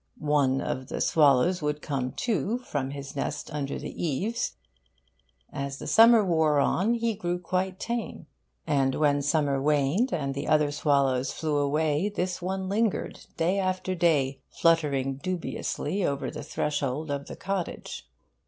One of the swallows would come too, from his nest under the eaves. As the summer wore on, he grew quite tame. And when summer waned, and the other swallows flew away, this one lingered, day after day, fluttering dubiously over the threshold of the cottage.